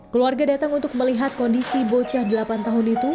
keluarga datang untuk melihat kondisi bocah delapan tahun itu